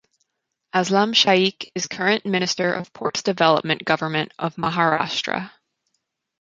Aslam Shaikh is Current Minister of Ports Development Government of Maharashtra.